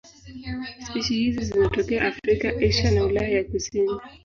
Spishi hizi zinatokea Afrika, Asia na Ulaya ya kusini.